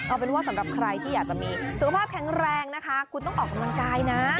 เอาเป็นว่าสำหรับใครที่อยากจะมีสุขภาพแข็งแรงนะคะคุณต้องออกกำลังกายนะ